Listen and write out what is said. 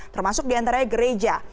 termasuk diantaranya gereja